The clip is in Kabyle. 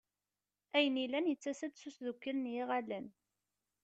Ayen yellan yettas-d s usdukel n yiɣallen.